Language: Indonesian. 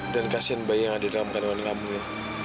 dan kasihan bayi yang ada dalam kandungan kamu ya